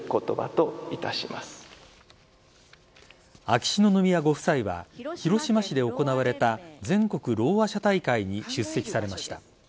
秋篠宮ご夫妻は広島市で行われた全国ろうあ者大会に出席されました。